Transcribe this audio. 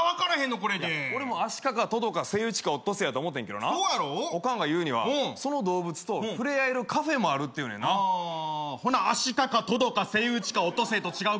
これで俺もアシカかトドかセイウチかオットセイやと思うてんけどなオカンが言うにはその動物と触れあえるカフェもあるってほなアシカかトドかセイウチかオットセイと違うか？